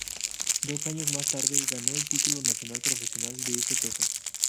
Dos años más tarde ganó el título nacional profesional de ese peso.